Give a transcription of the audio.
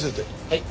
はい。